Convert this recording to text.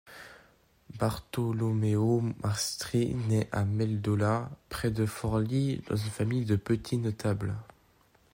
Bartolomeo Mastri naît à Meldola, près de Forlì, dans une famille de petits notables.